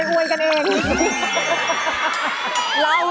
คนอะไรอวยกันเอง